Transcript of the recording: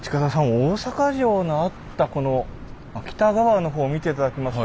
大坂城のあったこの北側の方見て頂きますと。